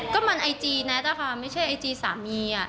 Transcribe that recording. ก็มันไอจีแน็ตนะคะไม่ใช่ไอจีสามี